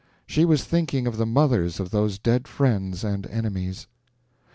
She was thinking of the mothers of those dead friends and enemies.